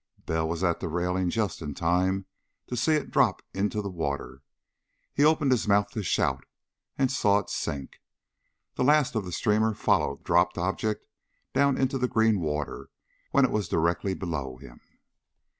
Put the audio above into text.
Bell was at the railing just in time to see it drop into the water. He opened his mouth to shout, and saw it sink. The last of the streamer followed the dropped object down into the green water when it was directly below him.